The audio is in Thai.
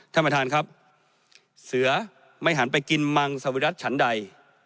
ท่านประธานครับเสือไม่หันไปกินมังสวิรัติฉันใด